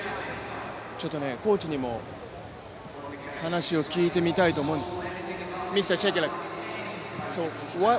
コーチにも話を聞いてみたいと思います。